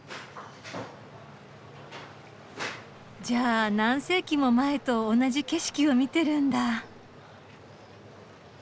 じゃあ何世紀も前と同じ景色を見てるんだ。